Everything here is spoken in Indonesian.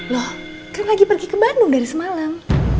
loh kamu lagi pergi ke bandung dari semalam